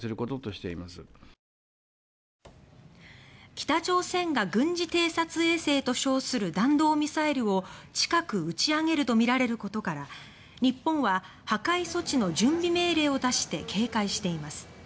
北朝鮮が軍事偵察衛星と称する弾道ミサイルを近く打ち上げるとみられることから、日本は破壊措置の準備命令を出して警戒しています。